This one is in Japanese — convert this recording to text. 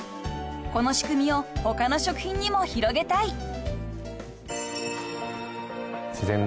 ［この仕組みを他の食品にも広げたい］